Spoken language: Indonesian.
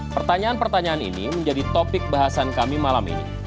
pertanyaan pertanyaan ini menjadi topik bahasan kami malam ini